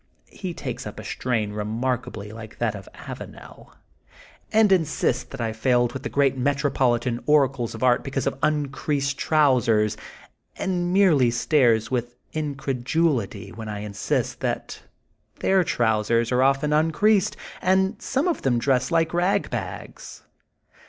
He takes up a strain remarkably like that of Avanel, and insists that I failed with the great metro politan oracles of art because of uncreased trousers, and merely stares with incredulity when I insist that their trousers are often un creased, and some of them dress like rag bags.